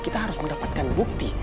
kita harus mendapatkan bukti